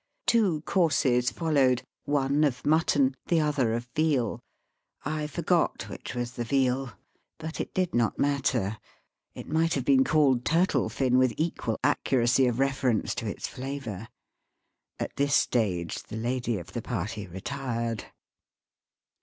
Two courses followed, one of mutton, the other of veal. I forgot which was the veal ; but it did not matter. It might have been called turtle fin with equal accuracy of reference to its flavour. At this stage the lady of the party retired.